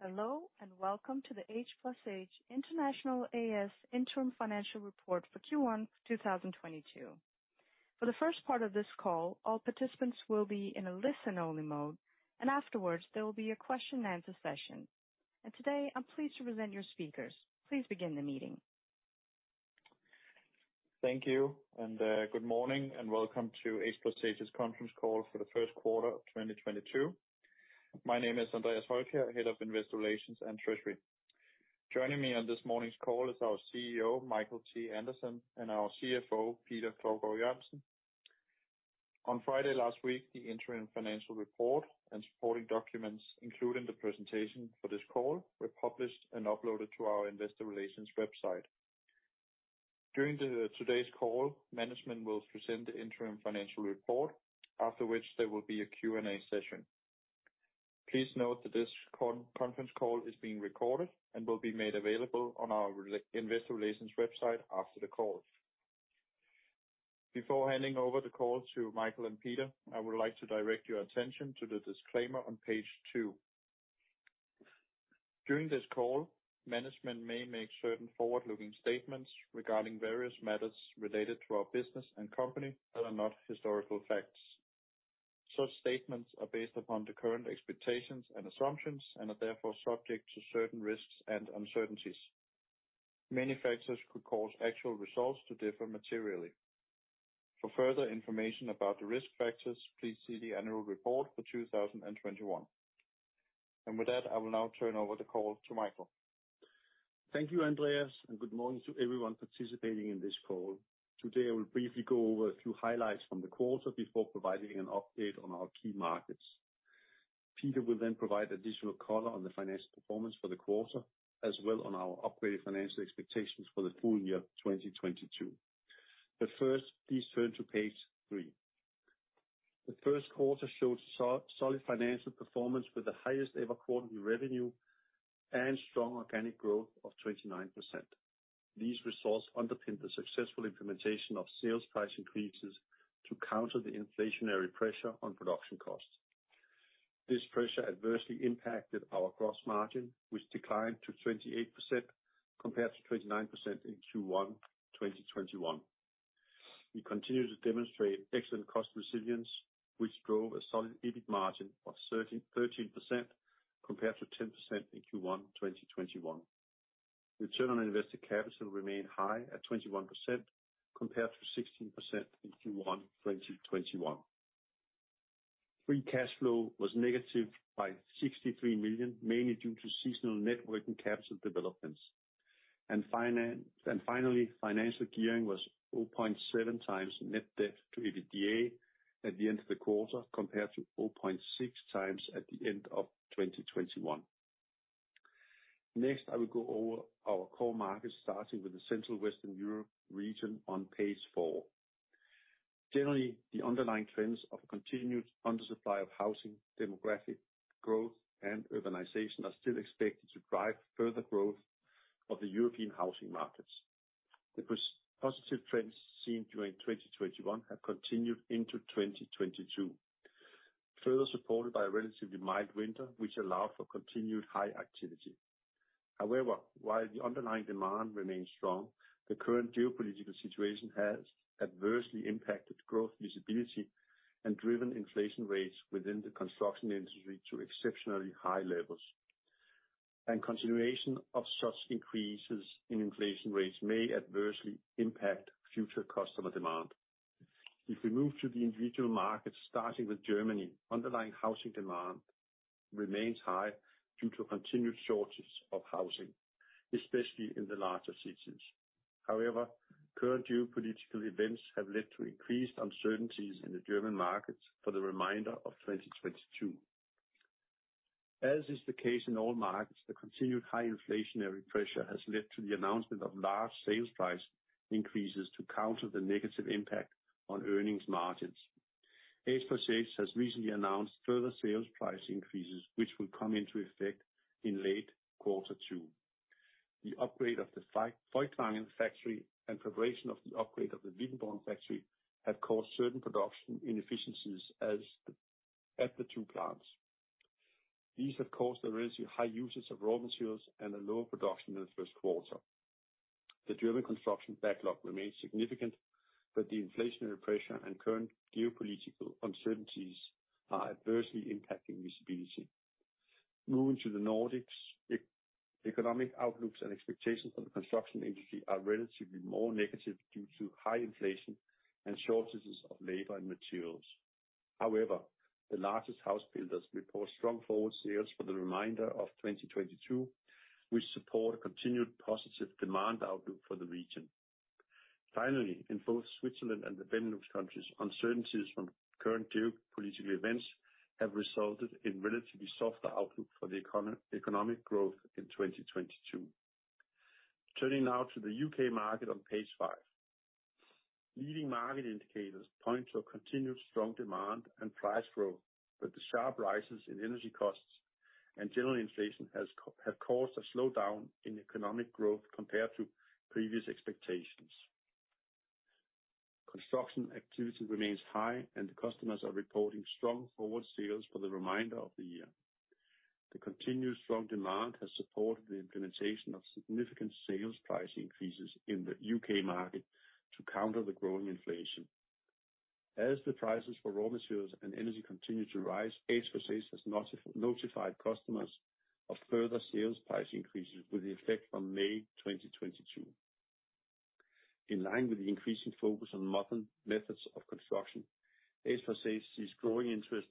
Hello, and welcome to the H+H International A/S Interim Financial Report for Q1 2022. For the first part of this call, all participants will be in a listen-only mode, and afterwards, there will be a question-and-answer session. Today, I'm pleased to present your speakers. Please begin the meeting. Thank you, good morning and welcome to H+H's conference call for the first quarter of 2022. My name is Andreas Holkjær, Head of Investor Relations and Treasury. Joining me on this morning's call is our CEO, Michael T. Andersen, and our CFO, Peter Klovgaard-Jørgensen. On Friday last week, the interim financial report and supporting documents, including the presentation for this call, were published and uploaded to our investor relations website. During today's call, management will present the interim financial report, after which there will be a Q&A session. Please note that this conference call is being recorded and will be made available on our investor relations website after the call. Before handing over the call to Michael and Peter, I would like to direct your attention to the disclaimer on Page 2. During this call, management may make certain forward-looking statements regarding various matters related to our business and company that are not historical facts. Such statements are based upon the current expectations and assumptions and are therefore subject to certain risks and uncertainties. Many factors could cause actual results to differ materially. For further information about the risk factors, please see the annual report for 2021. With that, I will now turn over the call to Michael. Thank you, Andreas, and good morning to everyone participating in this call. Today, I will briefly go over a few highlights from the quarter before providing an update on our key markets. Peter will then provide additional color on the financial performance for the quarter, as well as on our upgraded financial expectations for the full-year of 2022. First, please turn to Page 3. The first quarter showed solid financial performance with the highest ever quarterly revenue and strong organic growth of 29%. These results underpin the successful implementation of sales price increases to counter the inflationary pressure on production costs. This pressure adversely impacted our gross margin, which declined to 28% compared to 29% in Q1 2021. We continue to demonstrate excellent cost resilience, which drove a solid EBIT margin of 13% compared to 10% in Q1 2021. Return on invested capital remained high at 21% compared to 16% in Q1 2021. Free cash flow was -63 million, mainly due to seasonal net working capital developments. Finally, financial gearing was 4.7x net debt-to-EBITDA at the end of the quarter, compared to 4.6x at the end of 2021. Next, I will go over our core markets, starting with the central Western Europe region on Page 4. Generally, the underlying trends of a continued undersupply of housing, demographic growth, and urbanization are still expected to drive further growth of the European housing markets. The positive trends seen during 2021 have continued into 2022, further supported by a relatively mild winter, which allowed for continued high activity. However, while the underlying demand remains strong, the current geopolitical situation has adversely impacted growth visibility and driven inflation rates within the construction industry to exceptionally high levels. Continuation of such increases in inflation rates may adversely impact future customer demand. If we move to the individual markets, starting with Germany, underlying housing demand remains high due to continued shortage of housing, especially in the larger cities. However, current geopolitical events have led to increased uncertainties in the German markets for the remainder of 2022. As is the case in all markets, the continued high inflationary pressure has led to the announcement of large sales price increases to counter the negative impact on earnings margins. H+H has recently announced further sales price increases, which will come into effect in late quarter two. The upgrade of the Feuchtwangen factory and preparation of the upgrade of the Wittenborn factory have caused certain production inefficiencies at the two plants. These have caused a relatively high usage of raw materials and a lower production in the first quarter. The German construction backlog remains significant, but the inflationary pressure and current geopolitical uncertainties are adversely impacting visibility. Moving to the Nordics, economic outlooks and expectations for the construction industry are relatively more negative due to high inflation and shortages of labor and materials. However, the largest house builders report strong forward sales for the remainder of 2022, which support a continued positive demand outlook for the region. Finally, in both Switzerland and the Benelux countries, uncertainties from current geopolitical events have resulted in relatively softer outlook for the economic growth in 2022. Turning now to the U.K. market on Page 5. Leading market indicators point to a continued strong demand and price growth, but the sharp rises in energy costs and general inflation have caused a slowdown in economic growth compared to previous expectations. Construction activity remains high, and customers are reporting strong forward sales for the remainder of the year. The continued strong demand has supported the implementation of significant sales price increases in the U.K. market to counter the growing inflation. As the prices for raw materials and energy continue to rise, H+H has notified customers of further sales price increases with effect from May 2022. In line with the increasing focus on modern methods of construction, H+H sees growing interest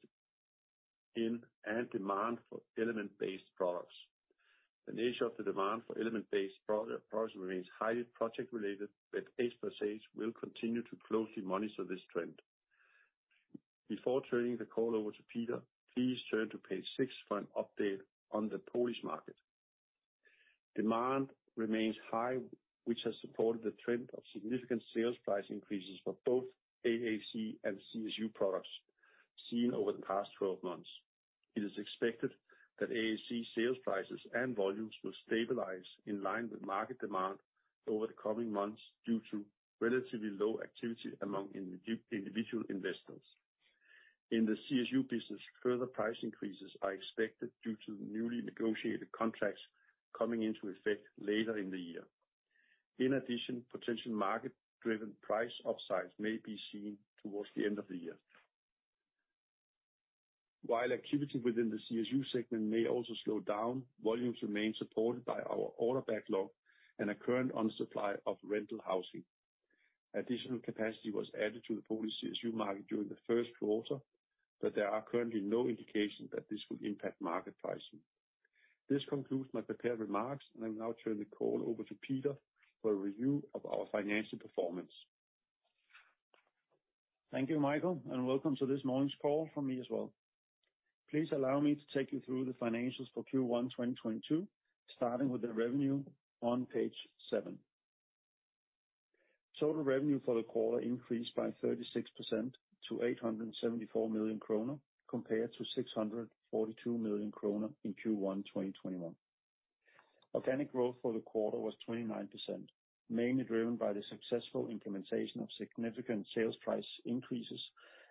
in and demand for element-based products. The nature of the demand for element-based products remains highly project-related, but H+H will continue to closely monitor this trend. Before turning the call over to Peter, please turn to Page 6 for an update on the Polish market. Demand remains high, which has supported the trend of significant sales price increases for both AAC and CSU products seen over the past 12 months. It is expected that AAC sales prices and volumes will stabilize in line with market demand over the coming months due to relatively low activity among individual investors. In the CSU business, further price increases are expected due to newly negotiated contracts coming into effect later in the year. In addition, potential market-driven price upsides may be seen towards the end of the year. While activity within the CSU segment may also slow down, volumes remain supported by our order backlog and a current under-supply of rental housing. Additional capacity was added to the Polish CSU market during the first quarter, but there are currently no indications that this will impact market pricing. This concludes my prepared remarks, and I will now turn the call over to Peter for a review of our financial performance. Thank you, Michael, and welcome to this morning's call from me as well. Please allow me to take you through the financials for Q1 2022, starting with the revenue on Page 7. Total revenue for the quarter increased by 36% to 874 million kroner, compared to 642 million kroner in Q1 2021. Organic growth for the quarter was 29%, mainly driven by the successful implementation of significant sales price increases,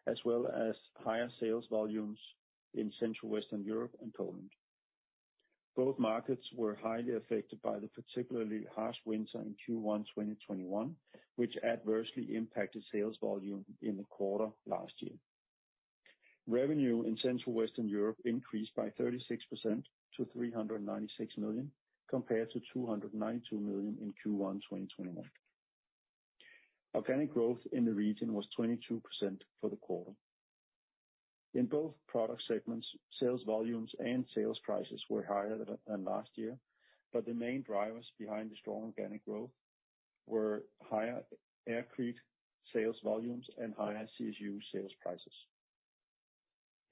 as well as higher sales volumes in Central Western Europe and Poland. Both markets were highly affected by the particularly harsh winter in Q1 2021, which adversely impacted sales volume in the quarter last year. Revenue in Central Western Europe increased by 36% to 396 million, compared to 292 million in Q1 2021. Organic growth in the region was 22% for the quarter. In both product segments, sales volumes and sales prices were higher than last year, but the main drivers behind the strong organic growth were higher aircrete sales volumes and higher CSU sales prices.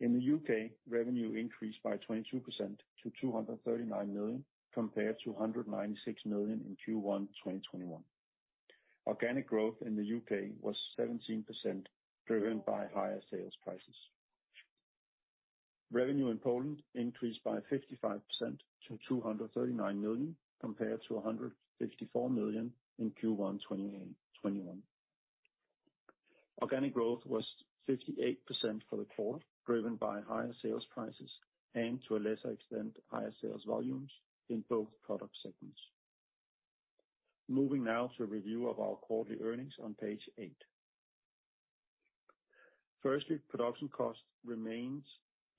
In the U.K., revenue increased by 22% to 239 million, compared to 196 million in Q1 2021. Organic growth in the U.K. was 17% driven by higher sales prices. Revenue in Poland increased by 55% to 239 million, compared to 154 million in Q1 2021. Organic growth was 58% for the quarter, driven by higher sales prices and, to a lesser extent, higher sales volumes in both product segments. Moving now to a review of our quarterly earnings on Page 8. Firstly, production costs remains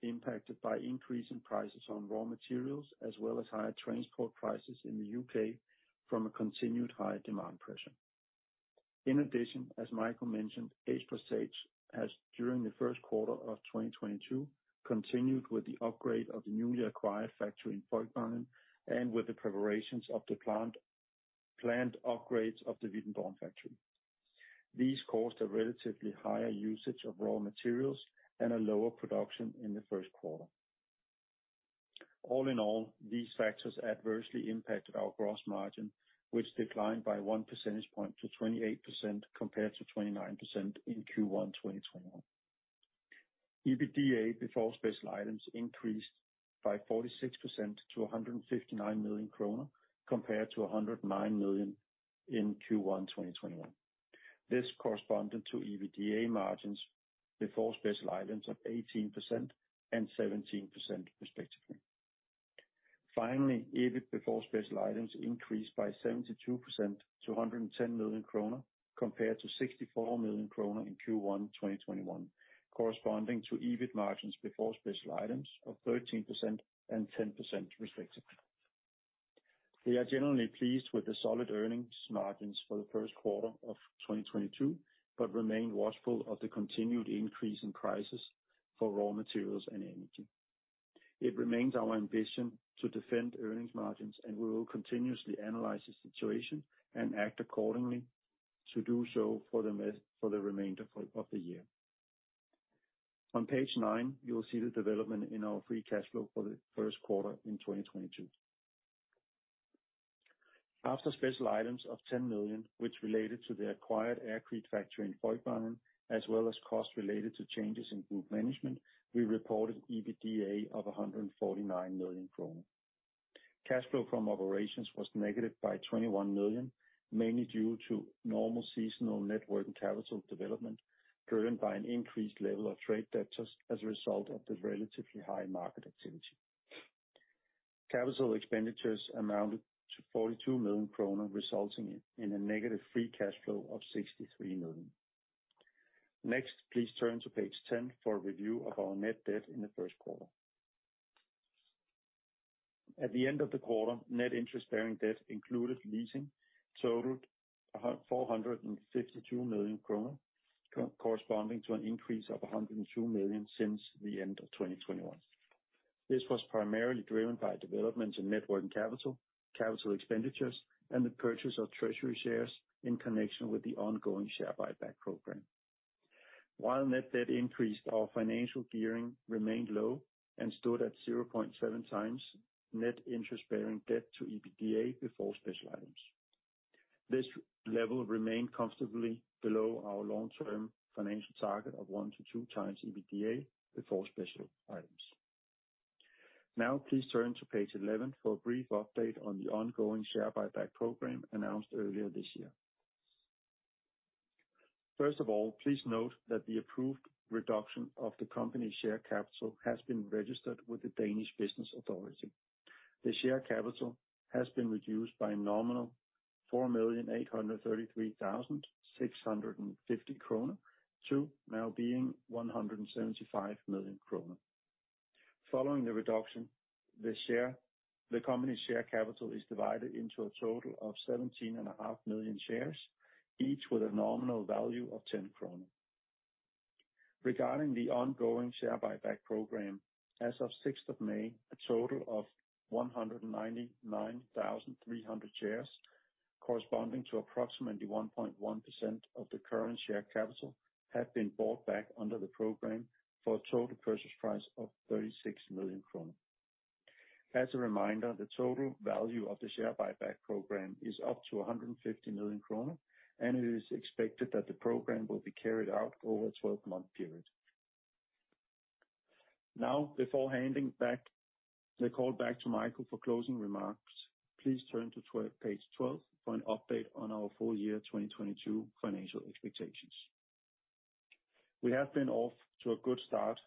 impacted by increasing prices on raw materials as well as higher transport prices in the U.K. from a continued high demand pressure. In addition, as Michael mentioned, H+H has, during the first quarter of 2022, continued with the upgrade of the newly acquired factory in Wittenborn. Cash flow from operations was negative DKK 21 million, mainly due to normal seasonal working capital development, driven by an increased level of trade debtors as a result of the relatively high market activity. Capital expenditures amounted to 42 million kroner, resulting in a negative free cash flow of 63 million. Next, please turn to Page 10 for a review of our net debt in the first quarter. At the end of the quarter, net interest-bearing debt included leasing totaled 462 million kroner, corresponding to an increase of 102 million since the end of 2021. This was primarily driven by developments in net working capital expenditures, and the purchase of treasury shares in connection with the ongoing share buyback program. While net debt increased, our financial gearing remained low and stood at 0.7x net interest bearing debt-to-EBITDA before special items. This level remained comfortably below our long-term financial target of 1x to 2x EBITDA before special items. Now please turn to Page 11 for a brief update on the ongoing share buyback program announced earlier this year. First of all, please note that the approved reduction of the company share capital has been registered with the Danish Business Authority. The share capital has been reduced by a nominal 4,833,650 kroner to now being 175 million kroner. Following the reduction, the company share capital is divided into a total of 17.5 million shares, each with a nominal value of 10 kroner. Regarding the ongoing share buyback program, as May 6th, a total of 199,300 shares, corresponding to approximately 1.1% of the current share capital, have been bought back under the program for a total purchase price of 36 million kroner. As a reminder, the total value of the share buyback program is up to 150 million kroner, and it is expected that the program will be carried out over a 12-month period. Now, before handing back the call back to Michael for closing remarks, please turn to Page 12 for an update on our full-year 2022 financial expectations. We have been off to a good start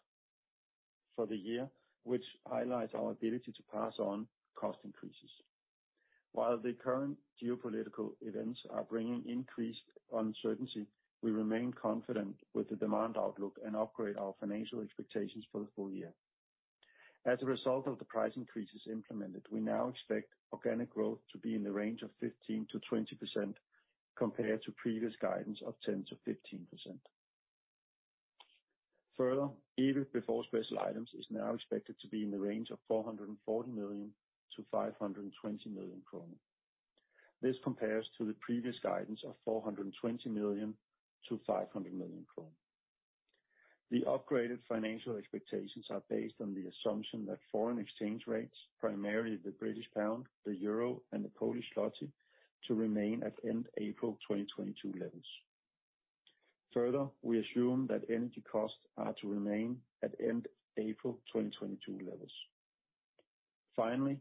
for the year, which highlights our ability to pass on cost increases. While the current geopolitical events are bringing increased uncertainty, we remain confident with the demand outlook and upgrade our financial expectations for the full-year. As a result of the price increases implemented, we now expect organic growth to be in the range of 15%-20% compared to previous guidance of 10% to 15%. Further, EBIT before special items is now expected to be in the range of 440 million to 520 million krone. This compares to the previous guidance of 420 million to 500 million krone. The upgraded financial expectations are based on the assumption that foreign exchange rates, primarily the British pound, the euro and the Polish zloty, to remain at end April 2022 levels. Further, we assume that energy costs are to remain at end April 2022 levels. Finally,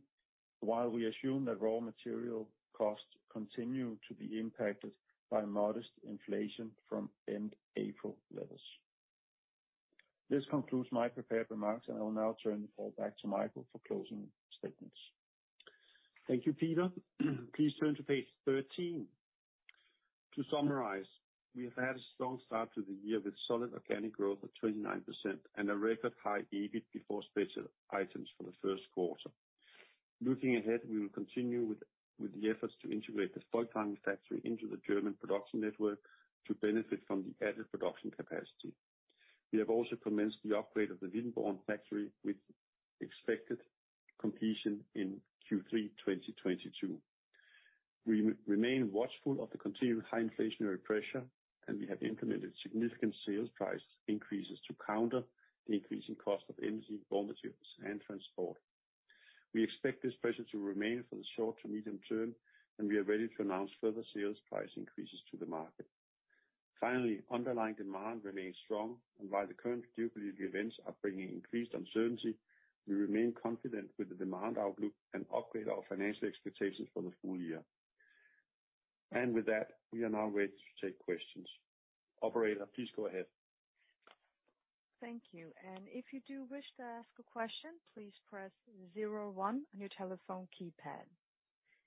while we assume that raw material costs continue to be impacted by modest inflation from end April levels. This concludes my prepared remarks, and I will now turn the call back to Michael for closing statements. Thank you, Peter. Please turn to Page 13. To summarize, we have had a strong start to the year with solid organic growth of 29% and a record high EBIT before special items for the first quarter. Looking ahead, we will continue with the efforts to integrate the Stotternheim factory into the German production network to benefit from the added production capacity. We have also commenced the upgrade of the Wittenborn factory, with expected completion in Q3 2022. We remain watchful of the continued high inflationary pressure, and we have implemented significant sales price increases to counter the increasing cost of energy, raw materials, and transport. We expect this pressure to remain for the short to medium term, and we are ready to announce further sales price increases to the market. Finally, underlying demand remains strong, and while the current geopolitical events are bringing increased uncertainty, we remain confident with the demand outlook and upgrade our financial expectations for the full-year. With that, we are now ready to take questions. Operator, please go ahead. Thank you. If you do wish to ask a question, please press zero one on your telephone keypad.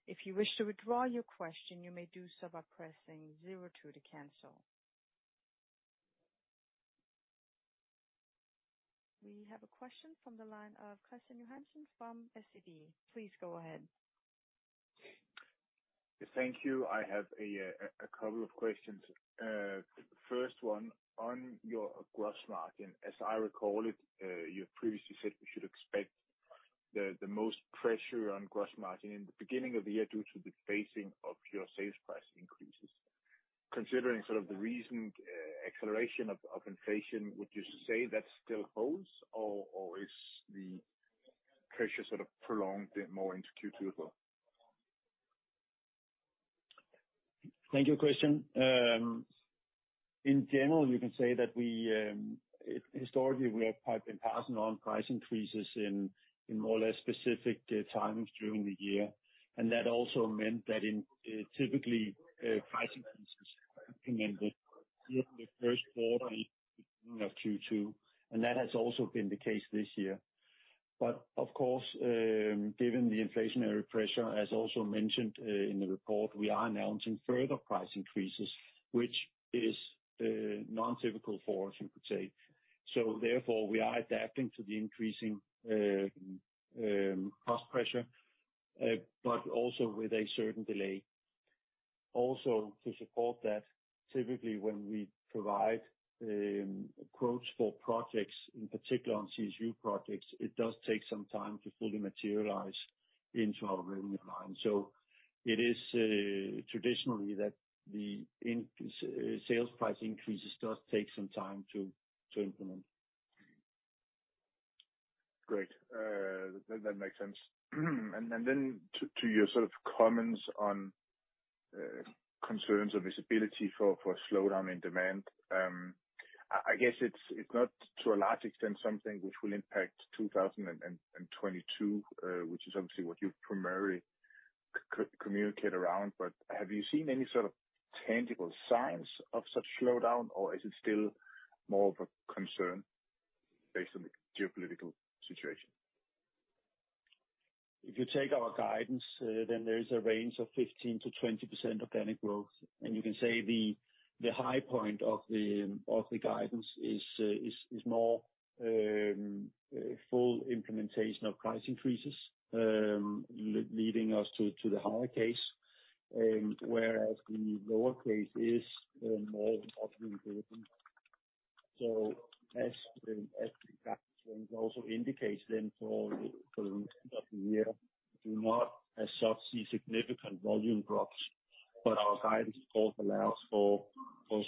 If you wish to withdraw your question, you may do so by pressing zero two to cancel. We have a question from the line of Kristian Johansen from SEB. Please go ahead. Thank you. I have a couple of questions. First one on your gross margin. As I recall it, you have previously said we should expect the most pressure on gross margin in the beginning of the year due to the phasing of your sales price increases. Considering sort of the recent acceleration of inflation, would you say that still holds or is the pressure sort of prolonged a bit more into Q2? Thank you, Kristian. In general, you can say that we historically have been passing on price increases in more or less specific times during the year. That also meant that typically price increases came in during the first quarter and beginning of Q2, and that has also been the case this year. Of course, given the inflationary pressure, as also mentioned in the report, we are announcing further price increases, which is non-typical for us, you could say. Therefore, we are adapting to the increasing cost pressure but also with a certain delay. Also to support that, typically when we provide quotes for projects, in particular on CSU projects, it does take some time to fully materialize into our revenue line. It is traditionally that the sales price increases does take some time to implement. Great. That makes sense. To your sort of comments on concerns or visibility for a slowdown in demand. I guess it's not to a large extent something which will impact 2022, which is obviously what you primarily communicate around. Have you seen any sort of tangible signs of such slowdown, or is it still more of a concern based on the geopolitical situation? If you take our guidance, then there is a range of 15% to 20% organic growth. You can say the high point of the guidance is more full implementation of price increases leading us to the higher case. Whereas the lower case is more of, as the background also indicates, for the rest of the year, do not as such see significant volume drops. Our guidance also allows for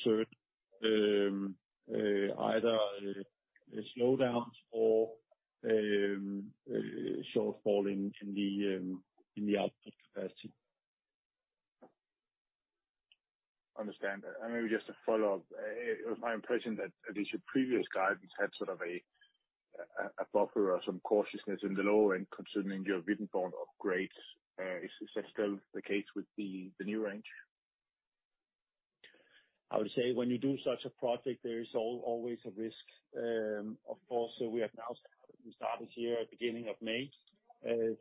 certain either slowdowns or sort of falling in the output capacity. Understood. Maybe just to follow up. It was my impression that at least your previous guidance had sort of a buffer or some cautiousness in the low end concerning your Wittenborn upgrades. Is this still the case with the new range? I would say when you do such a project, there is always a risk, of course. We have now started here at beginning of May,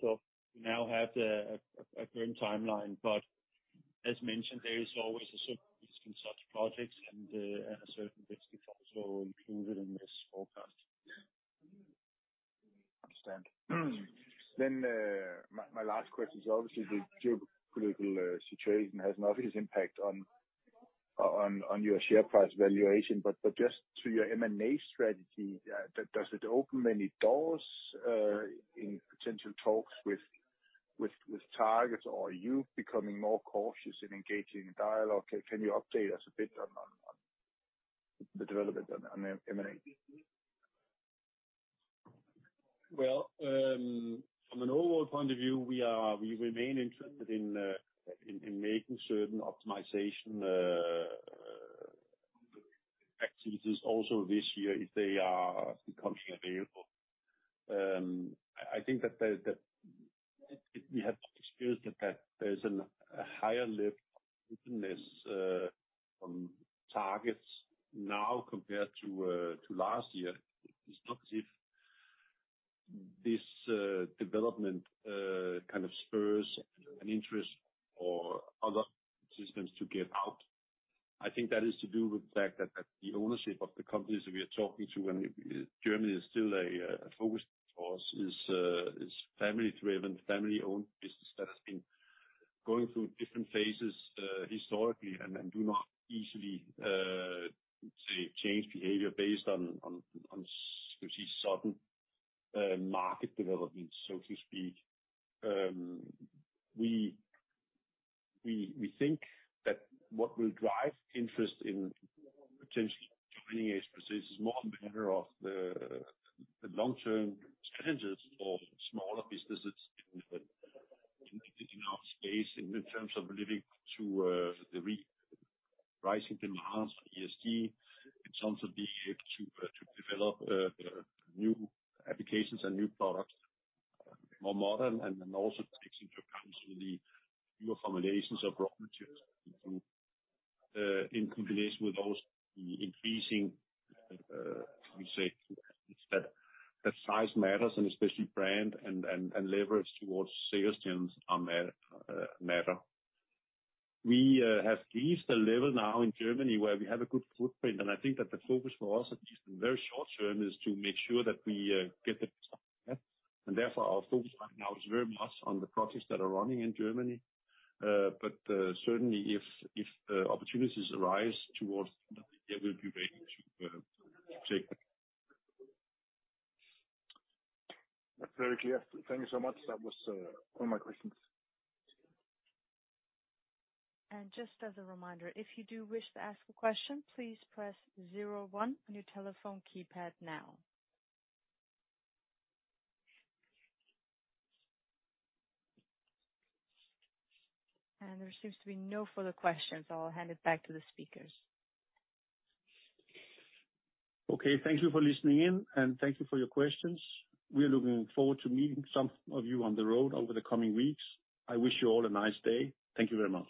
so we now have a current timeline. As mentioned, there is always a certain risk in such projects and a certain risk is also included in this forecast. Understand. My last question is obviously the geopolitical situation has an obvious impact on your share price valuation. Just to your M&A strategy, does it open any doors in potential talks with targets? Are you becoming more cautious in engaging in dialogue? Can you update us a bit on the development on M&A? Well, from an overall point of view, we remain interested in making certain optimization activities also this year, if they are becoming available. I think we have experienced that there's a higher level of openness from targets now compared to last year. It's not as if this development kind of spurs an interest for other participants to get out. I think that is to do with the fact that the ownership of the companies we are talking to, and Germany is still a focus for us, is family-driven, family-owned business that has been going through different phases historically, and do not easily say change behavior based on such sudden market developments, so to speak. We think that what will drive interest in potentially joining us is more a matter of the long-term challenges of smaller businesses in enough space in terms of living up to the rising demands for ESG, in terms of being able to develop new applications and new products, more modern, and then also takes into account the newer combinations of raw materials, in combination with also the increasing, how we say, that size matters and especially brand and leverage towards sales teams matter. We have reached a level now in Germany where we have a good footprint, and I think that the focus for us, at least in very short term, is to make sure that we get the best out of that. Therefore our focus right now is very much on the projects that are running in Germany. Certainly if opportunities arise towards, they will be ready to take. Very clear. Thank you so much. That was all my questions. Just as a reminder, if you do wish to ask a question, please press zero one on your telephone keypad now. There seems to be no further questions, so I'll hand it back to the speakers. Okay. Thank you for listening in, and thank you for your questions. We are looking forward to meeting some of you on the road over the coming weeks. I wish you all a nice day. Thank you very much.